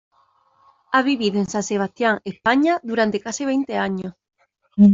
Ha vivido en San Sebastián, España, durante casi veinte años.